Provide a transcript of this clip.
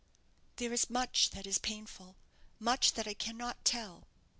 "There is much that is painful, much that I cannot tell."